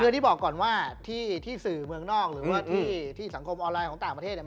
คือที่บอกก่อนว่าที่สื่อเมืองนอกหรือว่าที่สังคมออนไลน์ของต่างประเทศเนี่ย